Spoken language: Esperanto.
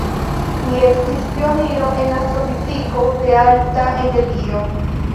Li estis pioniro en astrofiziko de alta energio.